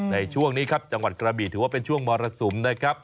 ในช่วงนี้จังหวัดกระบีถือว่าเป็นช่วงมรสุม